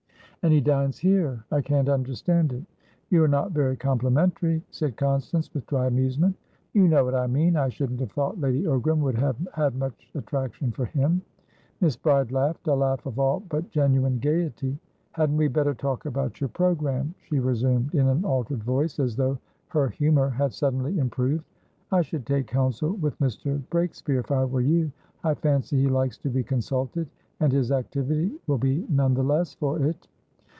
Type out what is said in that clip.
"And he dines here? I can't understand it." "You are not very complimentary;" said Constance, with dry amusement. "You know what I mean. I shouldn't have thought Lady Ogram would have had much attraction for him." Miss Bride laughed, a laugh of all but genuine gaiety. "Hadn't we better talk about your programme?" she resumed, in an altered voice, as though her humour had suddenly improved; "I should take counsel with Mr. Breakspeare, if I were you. I fancy he likes to be consulted, and his activity will be none the less for it."